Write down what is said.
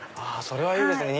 それはいいですね。